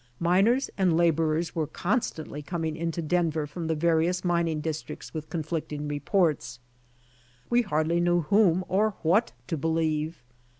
Miners and laborers were constantly coming into Denver from the various mining districts with conflicting reports. We hardly knew whom or what to believe.